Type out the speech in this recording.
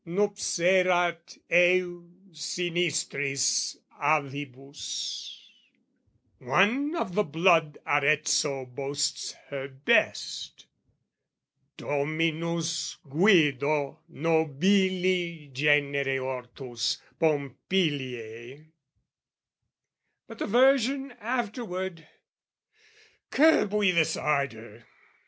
Nupserat, heu sinistris avibus, One of the blood Arezzo boasts her best, Dominus Guido, nobili genere ortus, PompiliAe.... But the version afterward! Curb we this ardour!